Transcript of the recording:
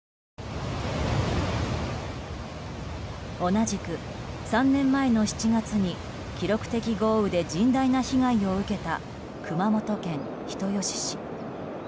同じく３年前の７月に記録的豪雨で甚大な被害を受けた熊本県人吉市。